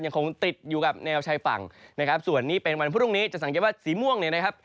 คงติดอยู่กับแนวชายฝั่งนะครับส่วนนี้เป็นวันพรุ่งนี้จะสังเกตว่าสีม่วงเนี่ยนะครับ